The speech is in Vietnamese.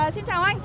xin chào anh